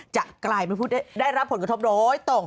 จะกลายเป็นผู้ได้รับผลกระทบโดยตรง